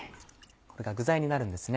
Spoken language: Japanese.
これが具材になるんですね。